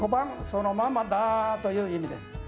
そのままだという意味です。